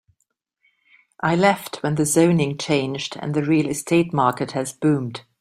I left when the zoning changed and the real estate market has boomed.